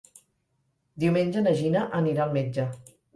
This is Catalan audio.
Diumenge na Gina anirà al metge.